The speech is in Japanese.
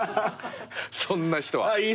そんな人は。